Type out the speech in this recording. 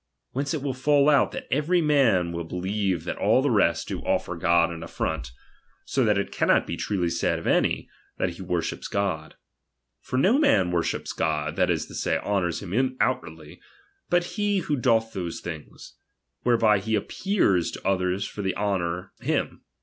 Whence it will fall out, that every man will believe that all the rest do ofiFer God an aflfront ; so that it cannot he truly said of any, that he worships God ; for no man worships God, that is to say, honours him outwardly, but he who doth those things, whereby he appears to others for to honour him.